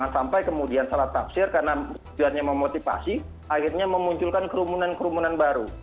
sampai kemudian salah tafsir karena tujuannya memotivasi akhirnya memunculkan kerumunan kerumunan baru